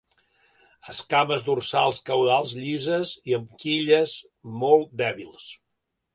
Escames dorsals caudals llises o amb quilles molt dèbils.